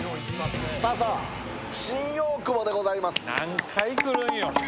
さあさ、新大久保でございます。